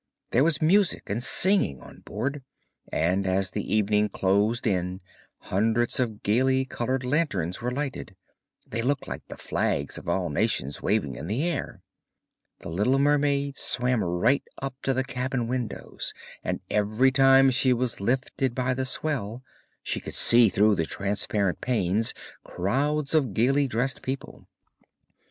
There was music and singing on board, and as the evening closed in hundreds of gaily coloured lanterns were lighted they looked like the flags of all nations waving in the air. The little mermaid swam right up to the cabin windows, and every time she was lifted by the swell she could see through the transparent panes crowds of gaily dressed people.